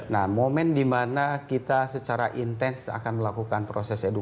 nah momen dimana kita secara intens akan melakukan proses edukasi